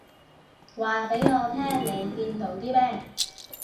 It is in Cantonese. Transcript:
話畀我聽你見到啲咩